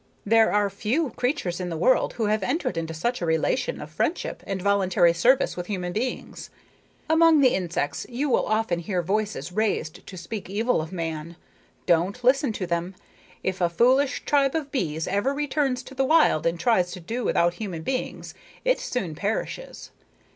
There are few creatures in the world who have entered into such a relation of friendship and voluntary service with human beings. Among the insects you will often hear voices raised to speak evil of man. Don't listen to them. If a foolish tribe of bees ever returns to the wild and tries to do without human beings, it soon perishes.